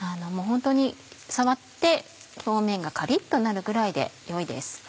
本当に触って表面がカリっとなるぐらいでよいです。